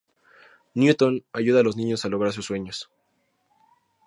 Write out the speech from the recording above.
Newton ayuda a los niños a lograr sus sueños.